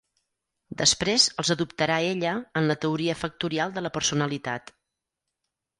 Després els adoptarà ella en la teoria factorial de la personalitat.